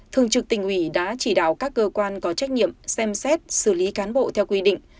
thường trực tỉnh ủy đã chỉ đạo các cơ quan có trách nhiệm xem xét xử lý cán bộ theo quy định